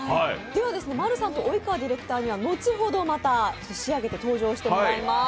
今日はＭＡＲＵさんと及川ディレクターには後ほど仕上げて登場してもらいます。